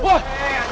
gue mau ke rumah